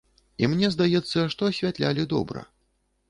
І, мне здаецца, што асвятлялі добра.